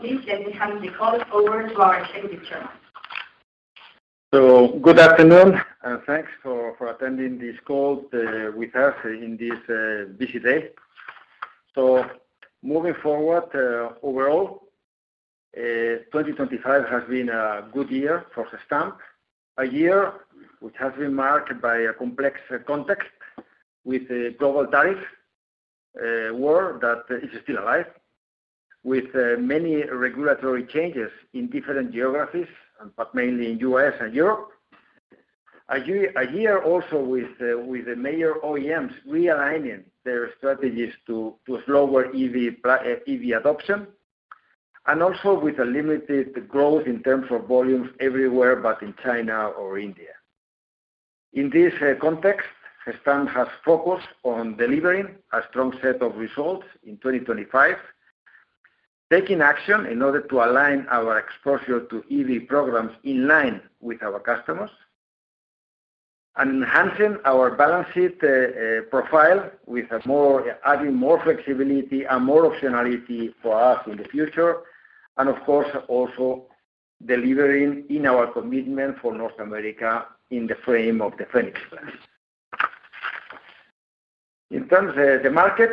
Please let me hand the call over to our Executive Chairman. Good afternoon, and thanks for attending this call with us in this busy day. Moving forward, overall, 2025 has been a good year for Gestamp. A year which has been marked by a complex context, with a global tariff war that is still alive, with many regulatory changes in different geographies, but mainly in U.S. and Europe. A year also with the major OEMs realigning their strategies to slower EV adoption, and also with a limited growth in terms of volumes everywhere, but in China or India. In this context, Gestamp has focused on delivering a strong set of results in 2025, taking action in order to align our exposure to EV programs in line with our customers. Enhancing our balance sheet profile with adding more flexibility and more optionality for us in the future, and of course, also delivering in our commitment for North America in the frame of the Phoenix Plan. In terms of the market,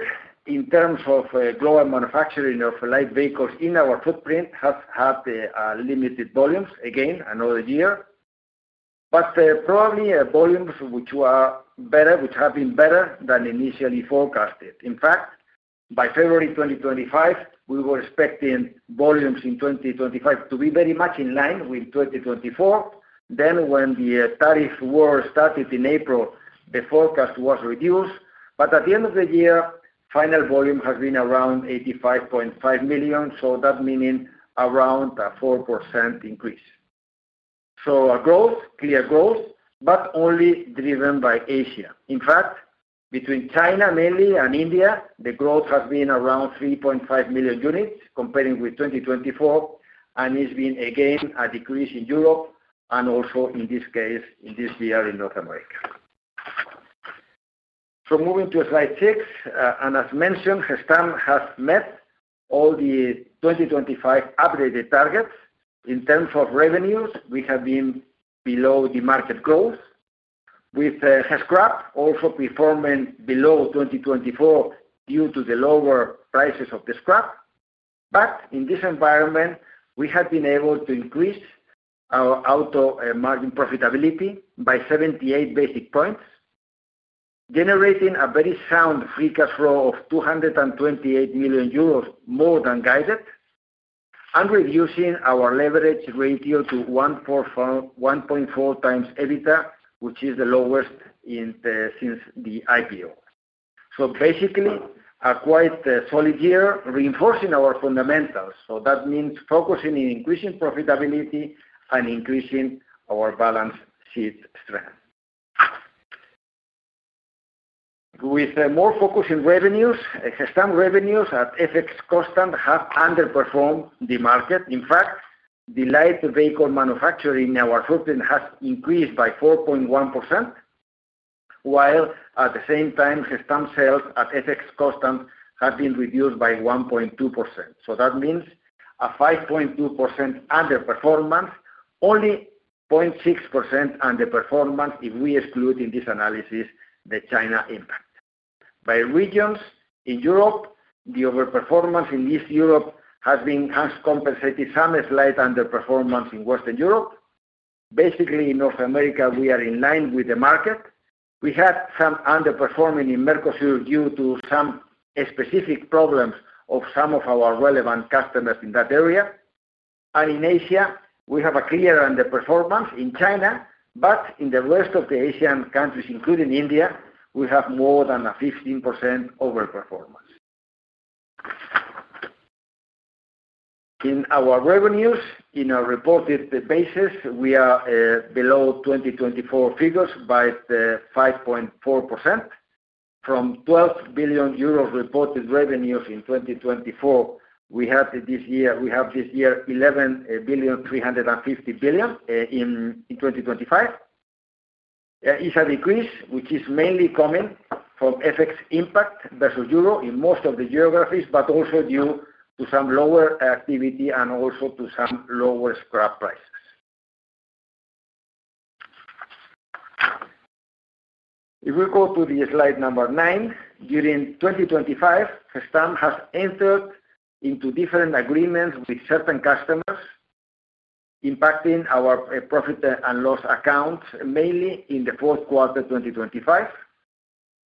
in terms of global manufacturing of light vehicles in our footprint, has had limited volumes again another year, but probably volumes which were better, which have been better than initially forecasted. In fact, by February 2025, we were expecting volumes in 2025 to be very much in line with 2024. When the tariff war started in April, the forecast was reduced, but at the end of the year, final volume has been around 85.5 million, so that meaning around a 4% increase. A growth, clear growth, but only driven by Asia. In fact, between China, mainly, and India, the growth has been around 3.5 million units comparing with 2024. It's been, again, a decrease in Europe and also in this case, in this year in North America. Moving to slide six, as mentioned, Gestamp has met all the 2025 updated targets. In terms of revenues, we have been below the market growth, with scrap also performing below 2024 due to the lower prices of the scrap. In this environment, we have been able to increase our auto margin profitability by 78 basic points, generating a very sound free cash flow of 228 million euros, more than guided, reducing our leverage ratio to 1.4x EBITDA, which is the lowest since the IPO. Basically, a quite solid year reinforcing our fundamentals. That means focusing in increasing profitability and increasing our balance sheet strength. With a more focus in revenues, Gestamp revenues at FX constant have underperformed the market. In fact, the light vehicle manufacturing in our footprint has increased by 4.1%, while at the same time, Gestamp sales at FX constant have been reduced by 1.2%. That means a 5.2% underperformance, only 0.6% underperformance if we exclude in this analysis the China impact. By regions, in Europe, the overperformance in East Europe has compensated some slight underperformance in Western Europe. Basically, in North America, we are in line with the market. We had some underperforming in Mercosur due to some specific problems of some of our relevant customers in that area. In Asia, we have a clear underperformance in China, but in the rest of the Asian countries, including India, we have more than a 15% overperformance. In our revenues, in a reported basis, we are below 2024 figures by 5.4%. From 12 billion euros reported revenues in 2024, we have this year 11.35 billion in 2025. It's a decrease, which is mainly coming from FX impact versus EUR in most of the geographies, but also due to some lower activity and also to some lower scrap prices. If we go to the slide number nine, during 2025, Gestamp has entered into different agreements with certain customers, impacting our profit and loss accounts, mainly in the fourth quarter, 2025,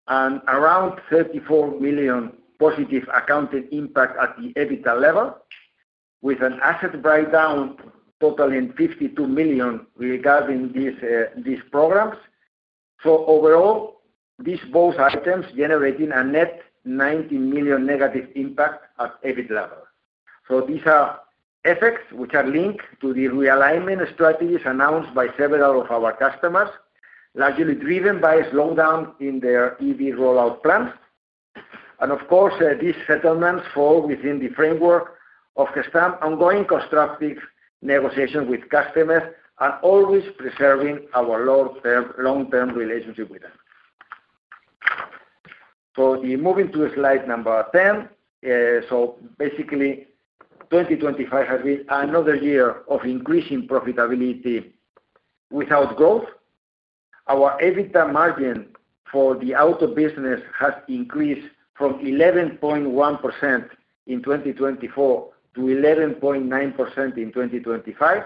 and around 34 million positive accounting impact at the EBITDA level, with an asset write-down totaling 52 million regarding these programs. Overall, these both items generating a net 90 million negative impact at EBIT level. These are effects which are linked to the realignment strategies announced by several of our customers, largely driven by a slowdown in their EV rollout plans. Of course, these settlements fall within the framework of Gestamp ongoing constructive negotiations with customers, and always preserving our long-term relationship with them. Moving to slide number ten, basically, 2025 has been another year of increasing profitability without growth. Our EBITDA margin for the auto business has increased from 11.1% in 2024 to 11.9% in 2025.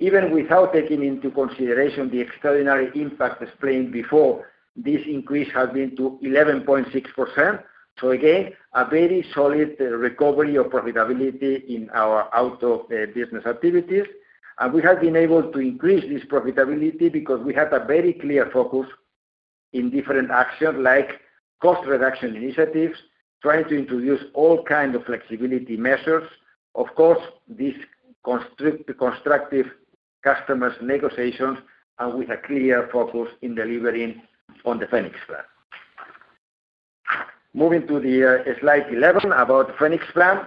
Even without taking into consideration the extraordinary impact explained before, this increase has been to 11.6%. Again, a very solid recovery of profitability in our auto business activities. We have been able to increase this profitability because we have a very clear focus in different actions, like cost reduction initiatives, trying to introduce all kind of flexibility measures. Of course, this constructive customers negotiations are with a clear focus in delivering on the Phoenix Plan. Moving to the slide 11, about Phoenix Plan.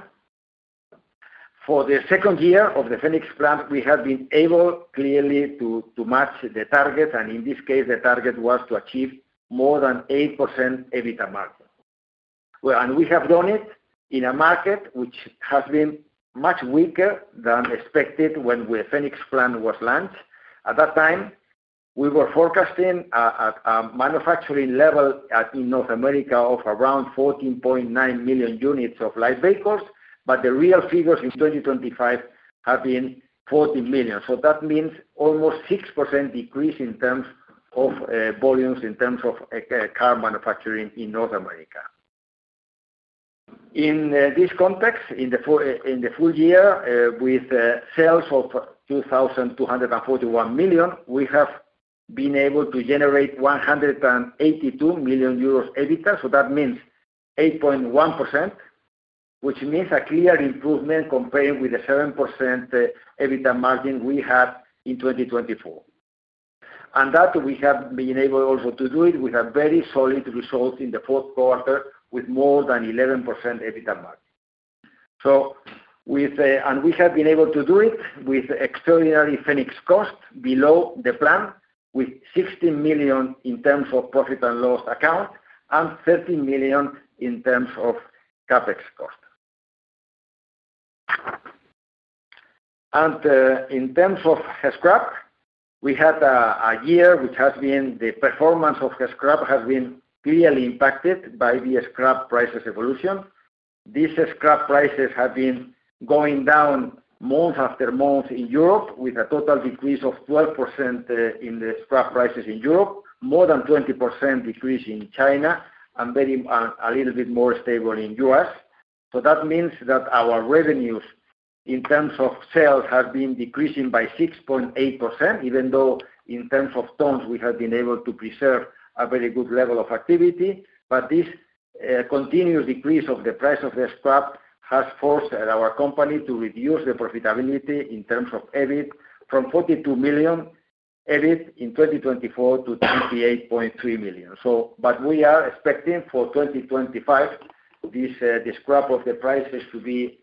For the second year of the Phoenix Plan, we have been able clearly to match the target, and in this case, the target was to achieve more than 8% EBITDA margin. And we have done it in a market which has been much weaker than expected when the Phoenix Plan was launched. At that time, we were forecasting a manufacturing level in North America of around 14.9 million units of light vehicles, but the real figures in 2025 have been 14 million. That means almost 6% decrease in terms of volumes, in terms of car manufacturing in North America. In this context, in the full year, with sales of 2,241 million, we have been able to generate 182 million euros EBITDA. That means 8.1%, which means a clear improvement compared with the 7% EBITDA margin we had in 2024. That we have been able also to do it with a very solid result in the fourth quarter, with more than 11% EBITDA margin. We have been able to do it with extraordinary Phoenix costs below the plan, with 16 million in terms of profit and loss account and 13 million in terms of CapEx cost. In terms of scrap, we had a year which has been, the performance of scrap has been clearly impacted by the scrap prices evolution. These scrap prices have been going down month after month in Europe, with a total decrease of 12% in the scrap prices in Europe, more than 20% decrease in China, and very a little bit more stable in U.S. That means that our revenues in terms of sales have been decreasing by 6.8%, even though in terms of tons, we have been able to preserve a very good level of activity. This continuous decrease of the price of the scrap has forced our company to reduce the profitability in terms of EBIT from 42 million EBIT in 2024 to 38.3 million. We are expecting for 2025, this the scrap of the prices to be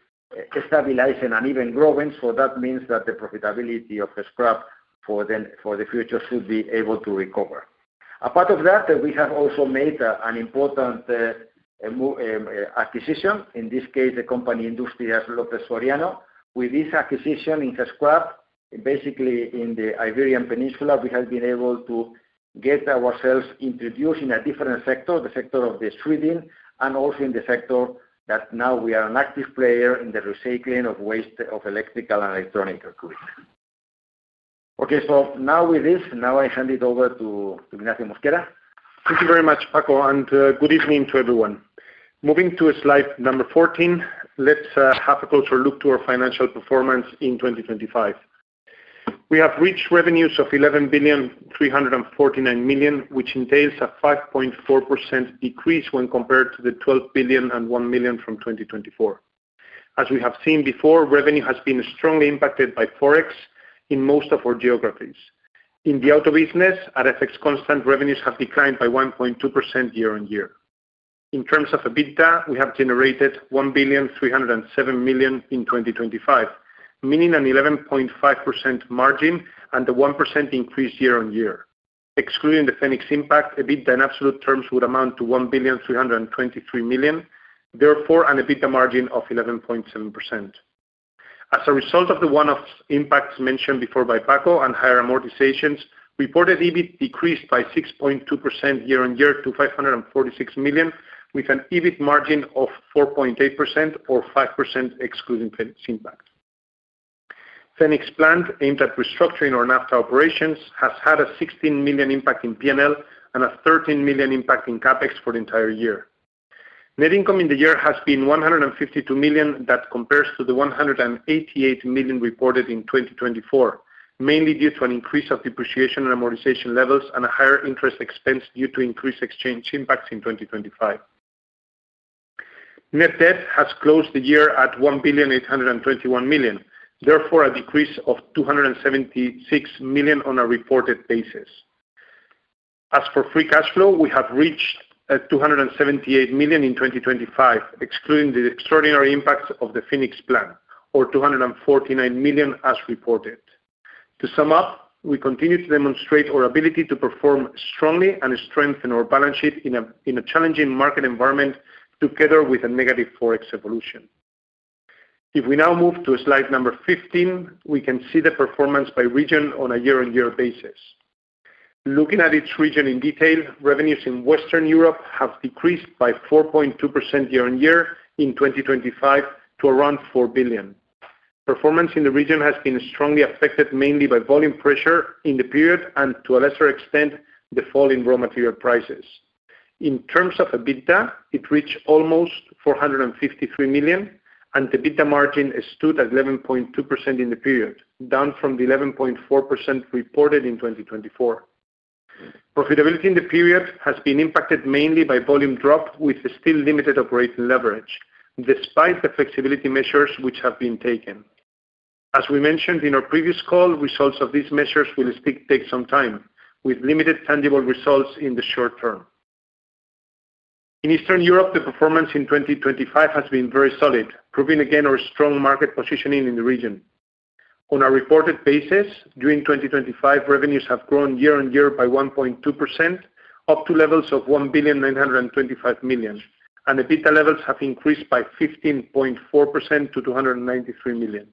stabilizing and even growing. That means that the profitability of the scrap for the future should be able to recover. Apart of that, we have also made an important acquisition, in this case, the company, Industrias López Soriano. With this acquisition in scrap, basically in the Iberian Peninsula, we have been able to get ourselves introduced in a different sector, the sector of distributing, and also in the sector that now we are an active player in the recycling of waste of electrical and electronic equipment. Okay, now with this, I hand it over to Ignacio Mosquera. Thank you very much, Paco, good evening to everyone. Moving to slide number 14, let's have a closer look to our financial performance in 2025. We have reached revenues of 11.349 billion, which entails a 5.4% decrease when compared to the 12 billion and 1 million from 2024. As we have seen before, revenue has been strongly impacted by Forex in most of our geographies. In the auto business, at FX constant, revenues have declined by 1.2% year-over-year. In terms of EBITDA, we have generated 1,307 million in 2025, meaning an 11.5% margin and a 1% increase year-over-year. Excluding the Phoenix impact, EBITDA in absolute terms would amount to 1.323 billion, therefore, an EBITDA margin of 11.7%. As a result of the one-off impacts mentioned before by Paco and higher amortizations, reported EBIT decreased by 6.2% year on year to 546 million, with an EBIT margin of 4.8% or 5% excluding Phoenix impact. Phoenix Plan, aimed at restructuring our NAFTA operations, has had a 16 million impact in PNL and a 13 million impact in CapEx for the entire year. Net income in the year has been 152 million. That compares to the 188 million reported in 2024, mainly due to an increase of depreciation and amortization levels and a higher interest expense due to increased exchange impacts in 2025. Net debt has closed the year at 1.821 billion, therefore a decrease of 276 million on a reported basis. As for free cash flow, we have reached 278 million in 2025, excluding the extraordinary impacts of the Phoenix Plan, or 249 million as reported. To sum up, we continue to demonstrate our ability to perform strongly and strengthen our balance sheet in a challenging market environment, together with a negative Forex evolution. If we now move to slide number 15, we can see the performance by region on a year-on-year basis. Looking at each region in detail, revenues in Western Europe have decreased by 4.2% year-on-year in 2025 to around 4 billion. Performance in the region has been strongly affected, mainly by volume pressure in the period, and to a lesser extent, the fall in raw material prices. In terms of EBITDA, it reached almost 453 million, and the EBITDA margin stood at 11.2% in the period, down from the 11.4% reported in 2024. Profitability in the period has been impacted mainly by volume drop, with still limited operating leverage, despite the flexibility measures which have been taken. As we mentioned in our previous call, results of these measures will still take some time, with limited tangible results in the short term. In Eastern Europe, the performance in 2025 has been very solid, proving again our strong market positioning in the region. On a reported basis, during 2025, revenues have grown year-over-year by 1.2%, up to levels of 1.925 billion, and EBITDA levels have increased by 15.4% to 293 million.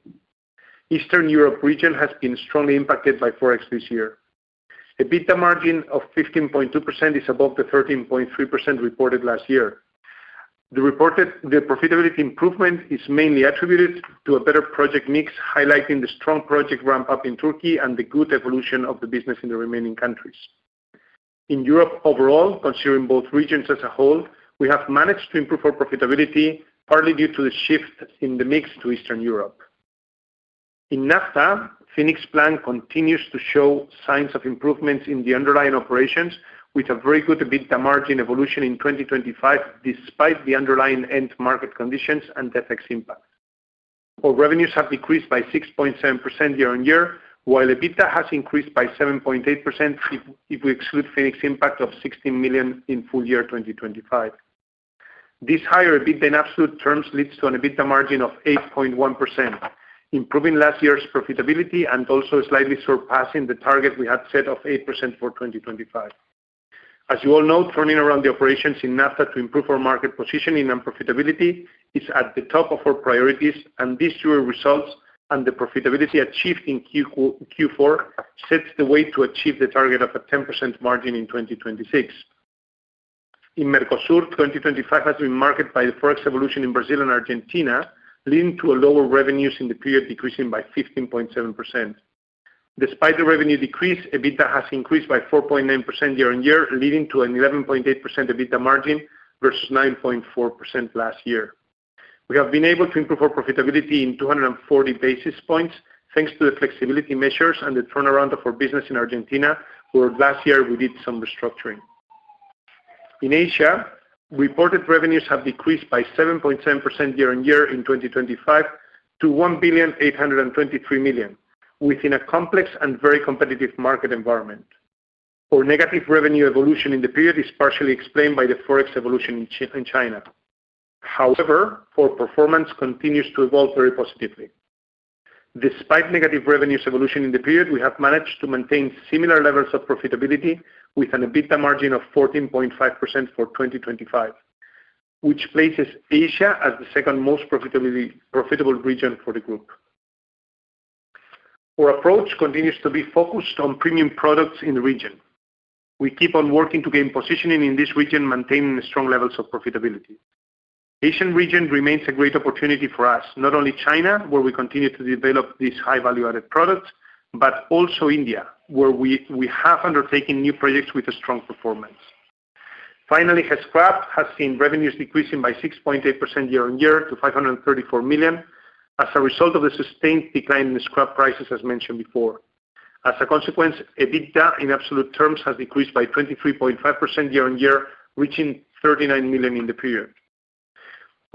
Eastern Europe region has been strongly impacted by Forex this year. EBITDA margin of 15.2% is above the 13.3% reported last year. The profitability improvement is mainly attributed to a better project mix, highlighting the strong project ramp-up in Turkey and the good evolution of the business in the remaining countries. In Europe overall, considering both regions as a whole, we have managed to improve our profitability, partly due to the shift in the mix to Eastern Europe. In NAFTA, Phoenix Plan continues to show signs of improvements in the underlying operations, with a very good EBITDA margin evolution in 2025, despite the underlying end market conditions and the tax impact. Our revenues have decreased by 6.7% year-on-year, while EBITDA has increased by 7.8%, if we exclude Phoenix impact of 16 million in full year 2025. This higher EBITDA in absolute terms leads to an EBITDA margin of 8.1%, improving last year's profitability and also slightly surpassing the target we had set of 8% for 2025. As you all know, turning around the operations in NAFTA to improve our market positioning and profitability is at the top of our priorities, and these year results and the profitability achieved in Q4 sets the way to achieve the target of a 10% margin in 2026. In Mercosur, 2025 has been marked by the Forex evolution in Brazil and Argentina, leading to a lower revenues in the period, decreasing by 15.7%. Despite the revenue decrease, EBITDA has increased by 4.9% year-on-year, leading to an 11.8% EBITDA margin versus 9.4% last year. We have been able to improve our profitability in 240 basis points, thanks to the flexibility measures and the turnaround of our business in Argentina, where last year we did some restructuring. In Asia, reported revenues have decreased by 7.7% year-on-year in 2025 to 1.823 billion, within a complex and very competitive market environment. Our negative revenue evolution in the period is partially explained by the Forex evolution in China. Our performance continues to evolve very positively. Despite negative revenues evolution in the period, we have managed to maintain similar levels of profitability with an EBITDA margin of 14.5% for 2025, which places Asia as the second most profitable region for the group. Our approach continues to be focused on premium products in the region. We keep on working to gain positioning in this region, maintaining strong levels of profitability. Asian region remains a great opportunity for us, not only China, where we continue to develop these high value-added products, but also India, where we have undertaken new projects with a strong performance. Finally, scrap has seen revenues decreasing by 6.8% year-on-year to 534 million, as a result of the sustained decline in scrap prices, as mentioned before. As a consequence, EBITDA, in absolute terms, has decreased by 23.5% year-on-year, reaching 39 million in the period.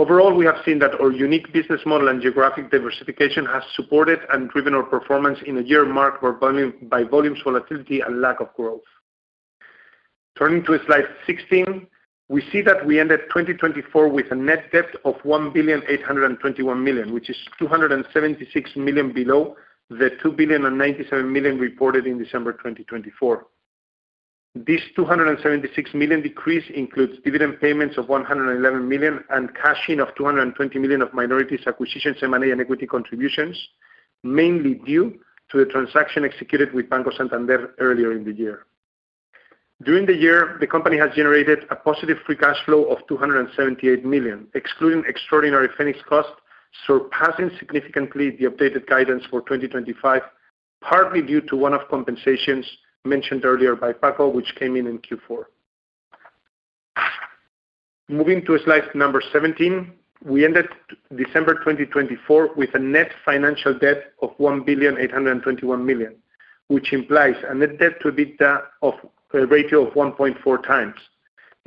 Overall, we have seen that our unique business model and geographic diversification has supported and driven our performance in a year marked by volume volatility and lack of growth. Turning to slide 16, we see that we ended 2024 with a net debt of 1.821 billion, which is 276 million below the 2.097 billion reported in December 2024. This 276 million decrease includes dividend payments of 111 million, and cashing of 220 million of minorities, acquisitions, and money and equity contributions, mainly due to the transaction executed with Banco Santander earlier in the year. During the year, the company has generated a positive free cash flow of 278 million, excluding extraordinary Phoenix costs, surpassing significantly the updated guidance for 2025, partly due to one-off compensations mentioned earlier by Paco, which came in in Q4. Moving to slide number 17. We ended December 2024 with a net financial debt of 1.821 billion, which implies a net debt to EBITDA of a ratio of 1.4x,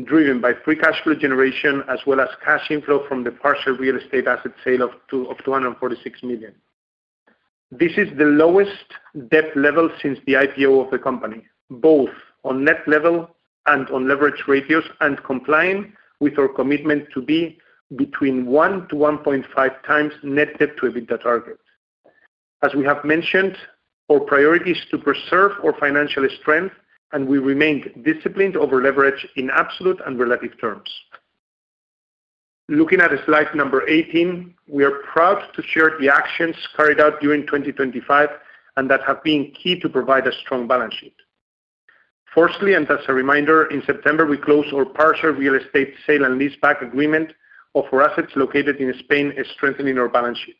driven by free cash flow generation as well as cash inflow from the partial real estate asset sale of 246 million. This is the lowest debt level since the IPO of the company, both on net level and on leverage ratios and complying with our commitment to be between 1-1.5x net debt to EBITDA target. As we have mentioned, our priority is to preserve our financial strength, we remain disciplined over leverage in absolute and relative terms. Looking at slide number 18, we are proud to share the actions carried out during 2025, that have been key to provide a strong balance sheet. Firstly, as a reminder, in September, we closed our partial real estate sale and leaseback agreement of our assets located in Spain, strengthening our balance sheet.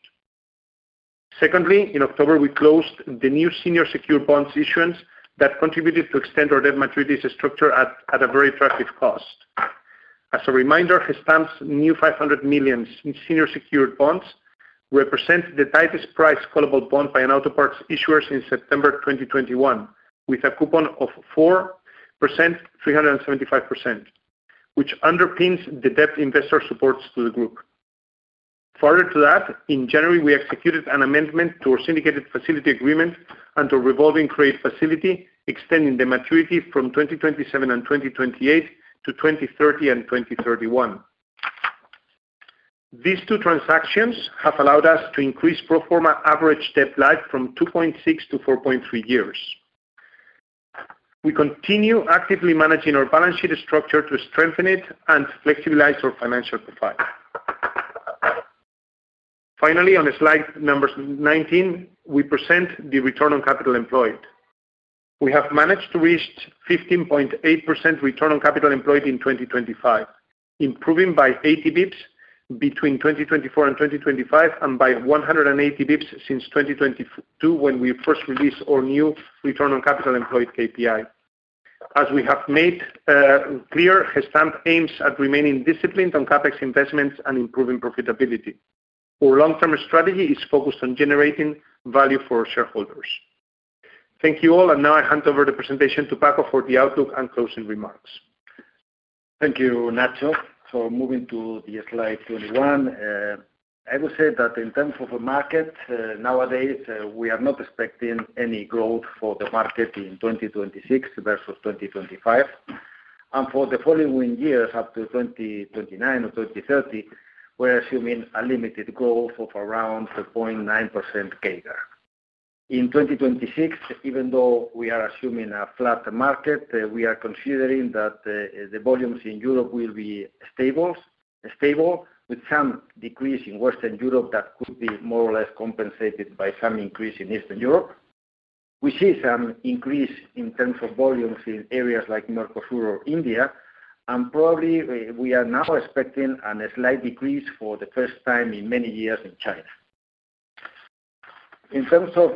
Secondly, in October, we closed the new senior secured bonds issuance that contributed to extend our debt maturities structure at a very attractive cost. As a reminder, Gestamp's new 500 million senior secured bonds represent the tightest price callable bond by an auto parts issuer since September 2021, with a coupon of 4.375%, which underpins the debt investor supports to the group. Further to that, in January, we executed an amendment to our syndicated facility agreement and a revolving credit facility, extending the maturity from 2027 and 2028 to 2030 and 2031. These two transactions have allowed us to increase pro forma average debt life from 2.6 to 4.3 years. We continue actively managing our balance sheet structure to strengthen it and flexibilize our financial profile. Finally, on slide number 19, we present the return on capital employed. We have managed to reach 15.8% return on capital employed in 2025, improving by 80 bps between 2024 and 2025, and by 180 bps since 2022, when we first released our new return on capital employed KPI. As we have made clear, Gestamp aims at remaining disciplined on CapEx investments and improving profitability. Our long-term strategy is focused on generating value for shareholders. Thank you all, and now I hand over the presentation to Paco for the outlook and closing remarks. Thank you, Nacho. Moving to the slide 21, I would say that in terms of the market, nowadays, we are not expecting any growth for the market in 2026 versus 2025. For the following years, up to 2029 or 2030, we're assuming a limited growth of around 0.9% CAGR. In 2026, even though we are assuming a flat market, we are considering that the volumes in Europe will be stable, with some decrease in Western Europe that could be more or less compensated by some increase in Eastern Europe. We see some increase in terms of volumes in areas like Mercosur or India, probably, we are now expecting a slight decrease for the first time in many years in China. In terms of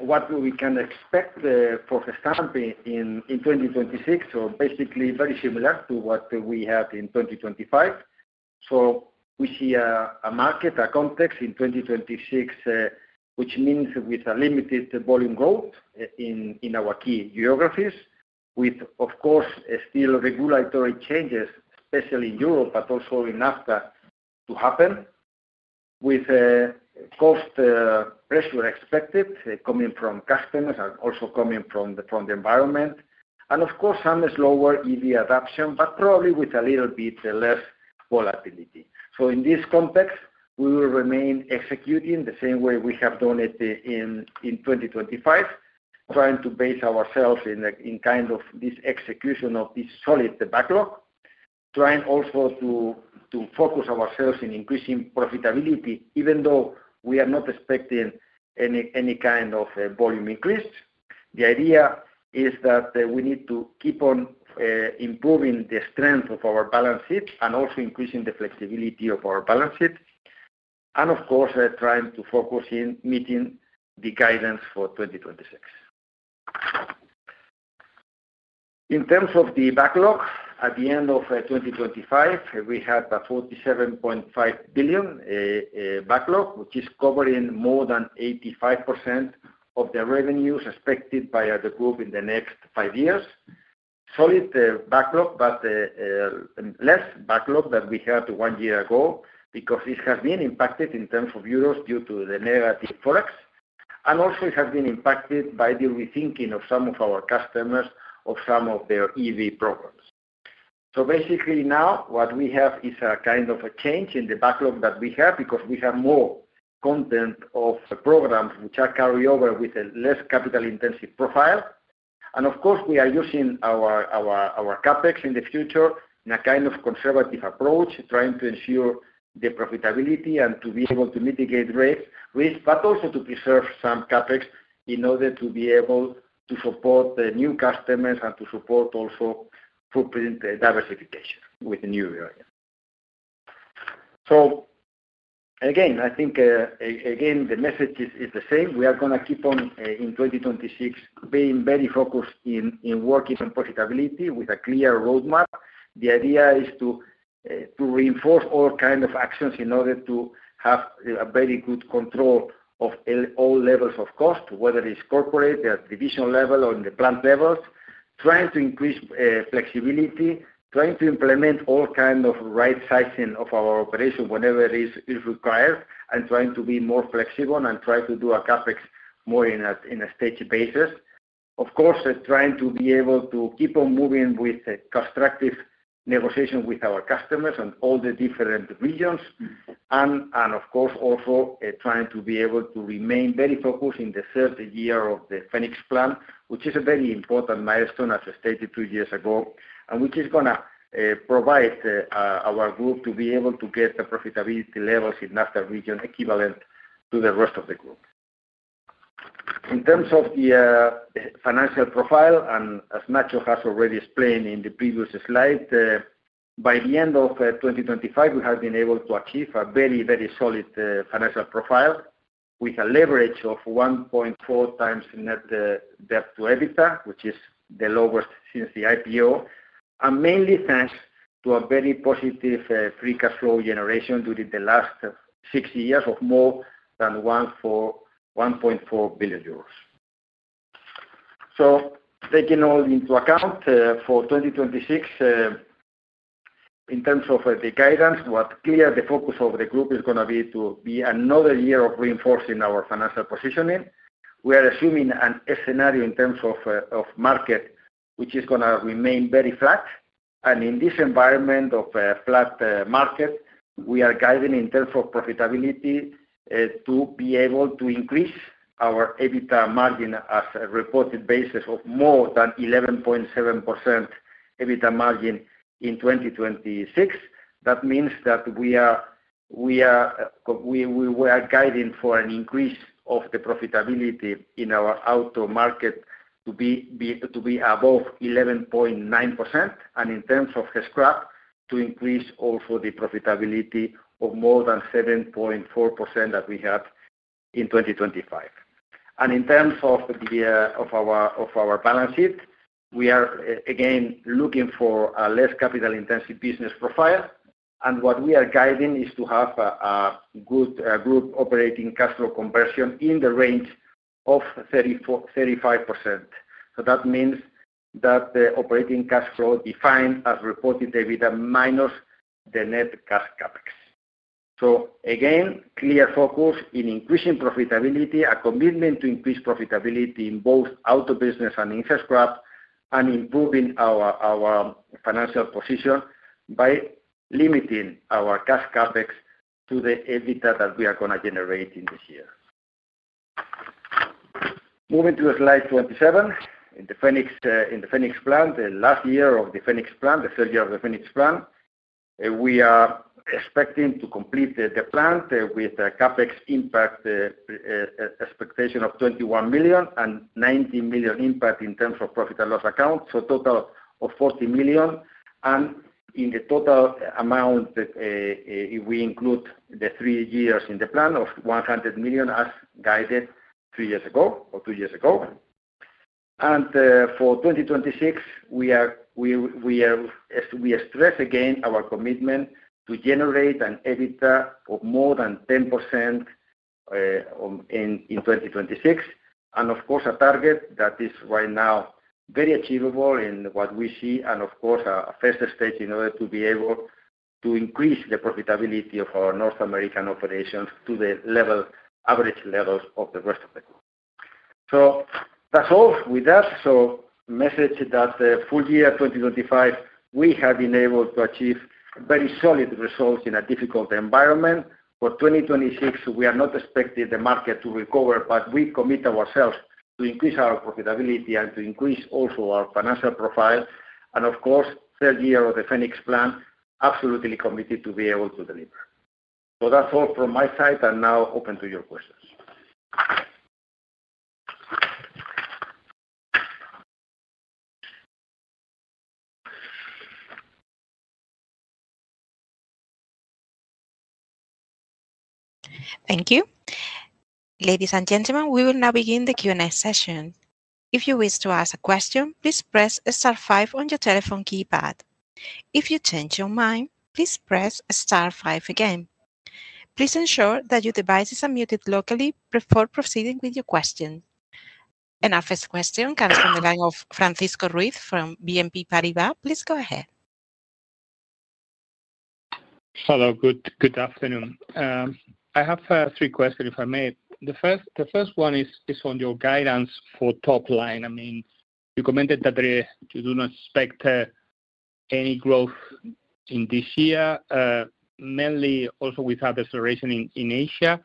what we can expect for Gestamp in 2026, basically very similar to what we had in 2025. We see a market, a context in 2026, which means with a limited volume growth in our key geographies, with of course still regulatory changes, especially in Europe, but also in NAFTA, to happen. With cost pressure expected coming from customers and also coming from the environment, and of course, some slower EV adoption, but probably with a little bit less volatility. In this context, we will remain executing the same way we have done it in 2025, trying to base ourselves in kind of this execution of this solid backlog. Trying also to focus ourselves in increasing profitability, even though we are not expecting any kind of volume increase. The idea is that we need to keep on improving the strength of our balance sheet and also increasing the flexibility of our balance sheet, and of course, trying to focus in meeting the guidance for 2026. In terms of the backlog, at the end of 2025, we had a 47.5 billion backlog, which is covering more than 85% of the revenues expected by the group in the next five years. Solid backlog, but less backlog than we had one year ago, because it has been impacted in terms of EUR due to the negative Forex, and also it has been impacted by the rethinking of some of our customers of some of their EV programs. Basically now, what we have is a kind of a change in the backlog that we have, because we have more content of the programs which are carryover with a less capital-intensive profile. Of course, we are using our CapEx in the future in a kind of conservative approach, trying to ensure the profitability and to be able to mitigate risk, but also to preserve some CapEx in order to be able to support the new customers and to support also footprint diversification with the new areas. Again, I think, again, the message is the same. We are gonna keep on in 2026, being very focused in working on profitability with a clear roadmap. The idea is to reinforce all kind of actions in order to have a very good control of all levels of cost, whether it's corporate, at divisional level, or in the plant levels. Trying to increase flexibility, trying to implement all kind of right sizing of our operation whenever it is required, and trying to be more flexible and try to do a CapEx more in a steady basis. Of course, trying to be able to keep on moving with a constructive negotiation with our customers in all the different regions. Of course, also, trying to be able to remain very focused in the third year of the Phoenix Plan, which is a very important milestone, as I stated two years ago, and which is going to provide our group to be able to get the profitability levels in NAFTA region equivalent to the rest of the group. In terms of the financial profile, as Nacho has already explained in the previous slide, by the end of 2025, we have been able to achieve a very, very solid financial profile, with a leverage of 1.4x net debt to EBITDA, which is the lowest since the IPO. Mainly thanks to a very positive free cash flow generation during the last 60 years, of more than 1.4 billion euros. Taking all into account, for 2026, in terms of the guidance, what clear the focus of the group is going to be another year of reinforcing our financial positioning. We are assuming an scenario in terms of market, which is going to remain very flat. In this environment of a flat market, we are guiding in terms of profitability to be able to increase our EBITDA margin as a reported basis of more than 11.7% EBITDA margin in 2026. That means that we were guiding for an increase of the profitability in our auto market to be above 11.9%, and in terms of scrap, to increase also the profitability of more than 7.4% that we had in 2025. In terms of the of our balance sheet, we are again, looking for a less capital-intensive business profile. What we are guiding is to have a good group operating cash flow conversion in the range of 34%-35%. That means that the operating cash flow defined as reported EBITDA minus the net cash CapEx. Again, clear focus in increasing profitability, a commitment to increase profitability in both auto business and in scrap, and improving our financial position by limiting our cash CapEx to the EBITDA that we are going to generate in this year. Moving to slide 27, in the Phoenix Plan, the last year of the Phoenix Plan, the third year of the Phoenix Plan, we are expecting to complete the plan, with a CapEx impact, expectation of 21 million and 19 million impact in terms of profit and loss account, so a total of 40 million. In the total amount that, if we include the three years in the plan of 100 million, as guided three years ago or two years ago. For 2026, we are, we stress again our commitment to generate an EBITDA of more than 10%, in 2026. Of course, a target that is right now very achievable in what we see and of course, a first stage in order to be able to increase the profitability of our North American operations to the level, average levels of the rest of the group. That's all with that. Message that the full year 2025, we have been able to achieve very solid results in a difficult environment. For 2026, we are not expecting the market to recover, but we commit ourselves to increase our profitability and to increase also our financial profile. Of course, third year of the Phoenix Plan, absolutely committed to be able to deliver. That's all from my side, and now open to your questions. Thank you. Ladies and gentlemen, we will now begin the Q&A session. If you wish to ask a question, please press star five on your telephone keypad. If you change your mind, please press star five again. Please ensure that your device is unmuted locally before proceeding with your question. Our first question comes from the line of Francisco Ruiz from BNP Paribas. Please go ahead. Hello, good afternoon. I have three questions, if I may. The first one is on your guidance for top line. I mean, you commented that you do not expect any growth in this year, mainly also with other situation in Asia.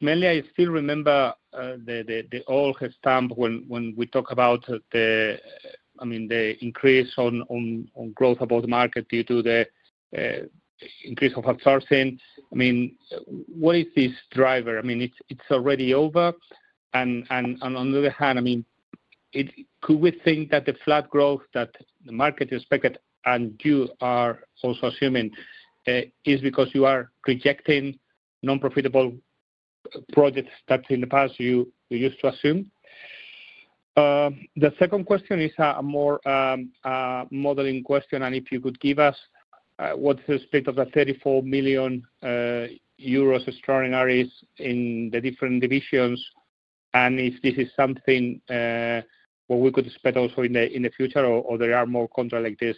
Mainly I still remember the old Gestamp when we talk about the... I mean, the increase on growth above the market due to the increase of outsourcing. I mean, what is this driver? I mean, it's already over. On the other hand, I mean, could we think that the flat growth that the market expected and you are also assuming is because you are rejecting non-profitable projects that in the past you used to assume? The second question is, a more, a modeling question, and if you could give us what's the split of the 34 million euros extraordinaries in the different divisions, and if this is something what we could expect also in the future, or there are more contract like this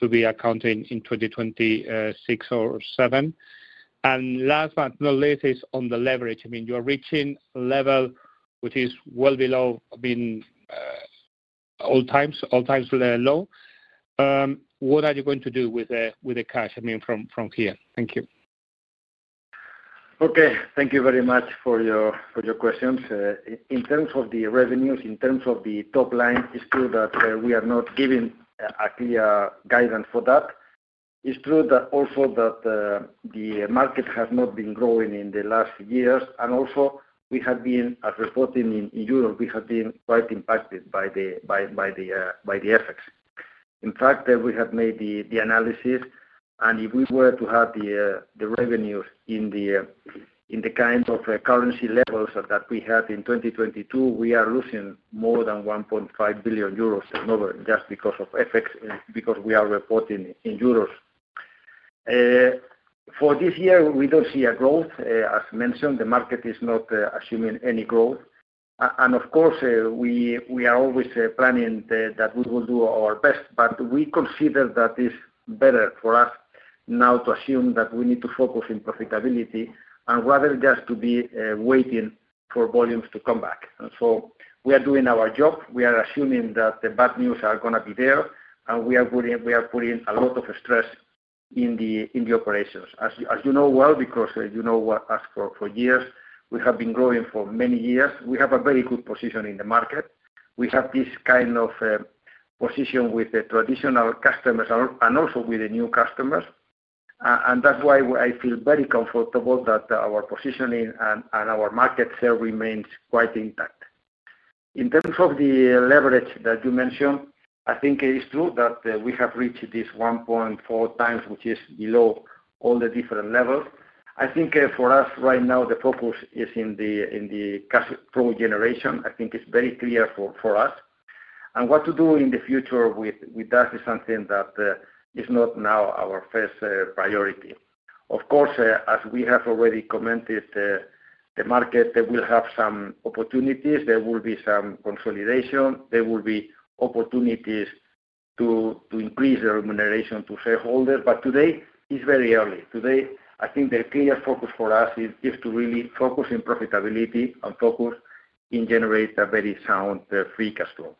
to be accounted in 2026 or 2027? Last but not least is on the leverage. I mean, you're reaching a level which is well below being all times very low. What are you going to do with the cash, I mean, from here? Thank you. Okay. Thank you very much for your questions. In terms of the revenues, in terms of the top line, it's true that we are not giving a clear guidance for that. It's true that also that the market has not been growing in the last years, and also we have been, as reported in Europe, we have been quite impacted by the FX. In fact, we have made the analysis, and if we were to have the revenues in the kind of currency levels that we had in 2022, we are losing more than 1.5 billion euros in over just because of FX, because we are reporting in euros. For this year, we don't see a growth. As mentioned, the market is not assuming any growth. Of course, we are always planning that we will do our best, but we consider that it's better for us now to assume that we need to focus in profitability and rather just to be waiting for volumes to come back. So we are doing our job. We are assuming that the bad news are gonna be there, and we are putting a lot of stress in the operations. As you know well, because you know us for years, we have been growing for many years. We have a very good position in the market. We have this kind of position with the traditional customers and also with the new customers. That's why I feel very comfortable that our positioning and our market share remains quite intact. In terms of the leverage that you mentioned, I think it is true that we have reached this 1.4x, which is below all the different levels. I think for us right now, the focus is in the cash flow generation. I think it's very clear for us. What to do in the future with that is something that is not now our first priority. Of course, as we have already commented, the market will have some opportunities, there will be some consolidation, there will be opportunities to increase the remuneration to shareholders, but today is very early. Today, I think the clear focus for us is to really focus in profitability and focus in generate a very sound free cash flow.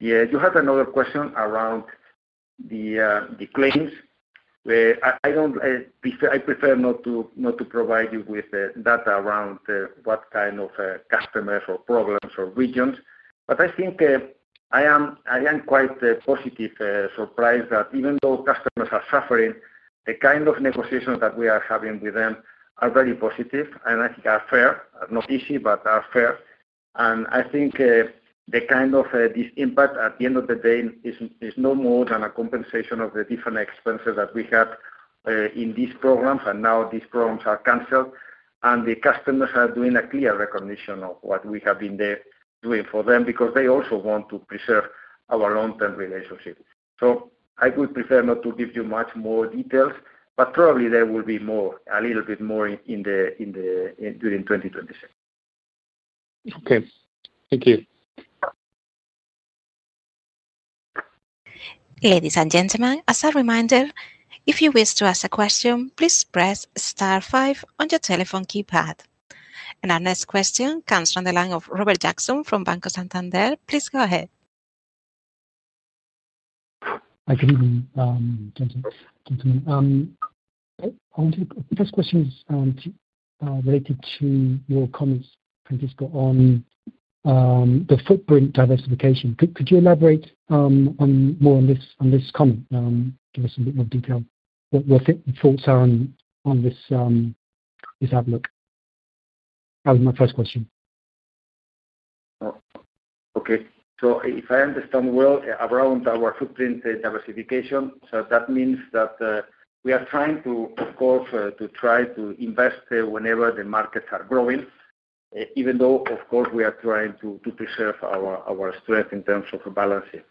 You had another question around the claims. I prefer not to provide you with data around what kind of customers or programs or regions, but I think I am quite positive surprised that even though customers are suffering, the kind of negotiations that we are having with them are very positive and I think are fair. Not easy, but are fair. I think, the kind of this impact at the end of the day is no more than a compensation of the different expenses that we had in these programs, and now these programs are canceled. The customers are doing a clear recognition of what we have been there doing for them, because they also want to preserve our long-term relationship. I would prefer not to give you much more details, but probably there will be more, a little bit more in the during 2026. Okay. Thank you. Ladies and gentlemen, as a reminder, if you wish to ask a question, please press star five on your telephone keypad. Our next question comes from the line of Robert Jackson from Banco Santander. Please go ahead. Hi, good evening, gentlemen. The first question is related to your comments, Francisco, on the footprint diversification. Could you elaborate on more on this, on this comment, give us a bit more detail? What your thoughts are on this outlook? That was my first question. Okay. If I understand well, around our footprint diversification, so that means that we are trying to, of course, to try to invest whenever the markets are growing, even though, of course, we are trying to preserve our strength in terms of balancing.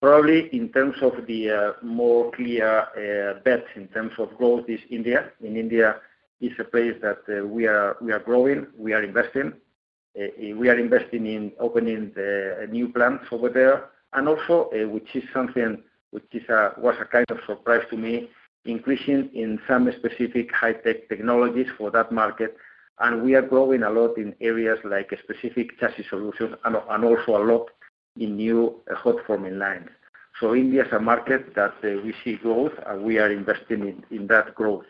Probably in terms of the more clear bet in terms of growth is India. In India is a place that we are growing, we are investing. We are investing in opening the new plants over there, and also, which is something which is a kind of surprise to me, increasing in some specific high-tech technologies for that market, and we are growing a lot in areas like specific chassis solutions and also a lot in new hot forming lines. India is a market that we see growth, and we are investing in that growth.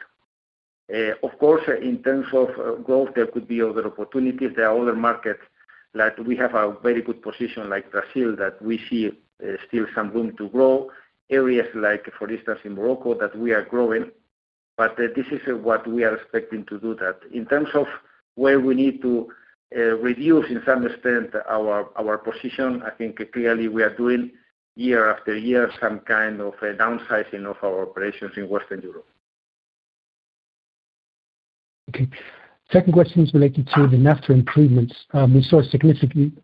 Of course, in terms of growth, there could be other opportunities. There are other markets that we have a very good position, like Brazil, that we see still some room to grow. Areas like, for instance, in Morocco, that we are growing. This is what we are expecting to do that. In terms of where we need to reduce in some extent our position, I think clearly we are doing year after year, some kind of a downsizing of our operations in Western Europe. Okay. Second question is related to the NAFTA improvements. We saw a significant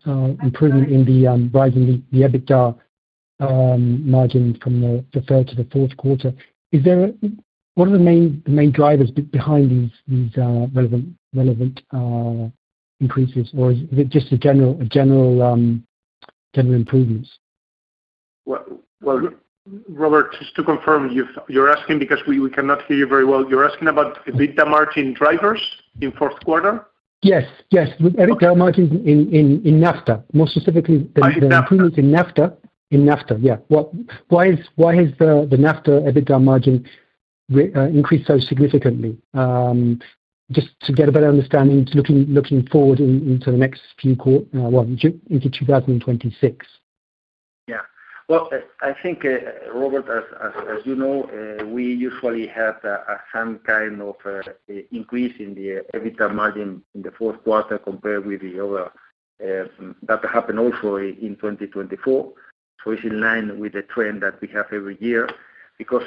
improvement in the rising the EBITDA margin from the third to the fourth quarter. What are the main drivers behind these relevant increases, or is it just a general improvements? Well, Robert, just to confirm, you're asking because we cannot hear you very well. You're asking about EBITDA margin drivers in fourth quarter? Yes. With EBITDA margin in NAFTA, more specifically. In NAFTA. -in NAFTA. In NAFTA, yeah. Why has the NAFTA EBITDA margin increased so significantly? Just to get a better understanding, looking forward into the next few well, June into 2026. Yeah. Well, I think, Robert, as you know, we usually have some kind of increase in the EBITDA margin in the fourth quarter compared with the other. That happened also in 2024. It's in line with the trend that we have every year, because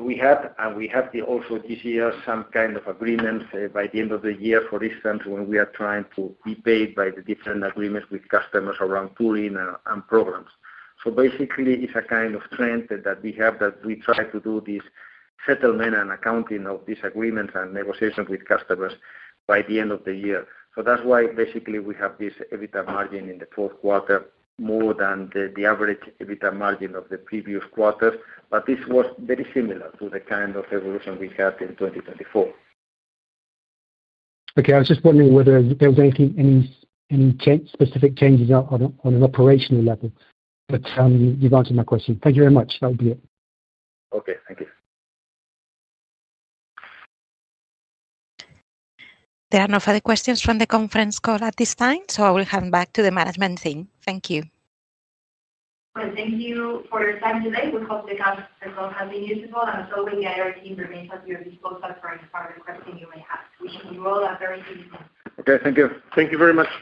we had, and we have the also this year, some kind of agreements by the end of the year, for instance, when we are trying to be paid by the different agreements with customers around tooling and programs. Basically, it's a kind of trend that we have, that we try to do this settlement and accounting of these agreements and negotiations with customers by the end of the year. That's why basically we have this EBITDA margin in the fourth quarter, more than the average EBITDA margin of the previous quarters, but this was very similar to the kind of evolution we had in 2024. Okay. I was just wondering whether there was anything, any change, specific changes on an operational level. You've answered my question. Thank you very much. That would be it. Okay, thank you. There are no further questions from the conference call at this time, so I will hand back to the management team. Thank you. Well, thank you for your time today. We hope the call has been useful. As always, the IR team remains at your disposal for any further question you may have. Wishing you all a very good evening. Okay, thank you. Thank you very much.